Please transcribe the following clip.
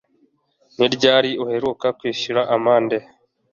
Ni ryari uheruka kwishyura amande?